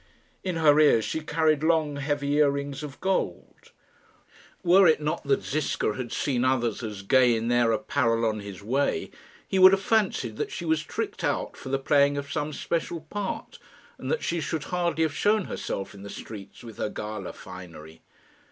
In her ears she carried long heavy earrings of gold. Were it not that Ziska had seen others as gay in their apparel on his way, he would have fancied that she was tricked out for the playing of some special part, and that she should hardly have shown herself in the streets with her gala finery.